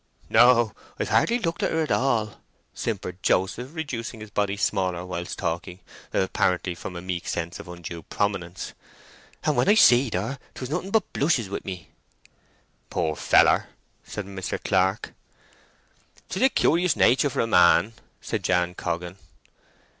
"No—I've hardly looked at her at all," simpered Joseph, reducing his body smaller whilst talking, apparently from a meek sense of undue prominence. "And when I seed her, 'twas nothing but blushes with me!" "Poor feller," said Mr. Clark. "'Tis a curious nature for a man," said Jan Coggan.